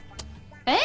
えっ！